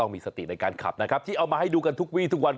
มีสติในการขับนะครับที่เอามาให้ดูกันทุกวีทุกวัน